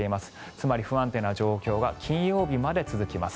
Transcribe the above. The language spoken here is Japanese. つまり不安定な状況が金曜日まで続きます。